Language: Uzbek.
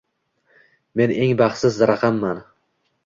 - Men eng baxtsiz raqamman.